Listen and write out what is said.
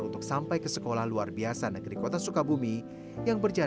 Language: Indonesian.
untuk sampai ke sekolah luar biasa negeri kota sukabumi jawa barat dan mengambil alat untuk mengejar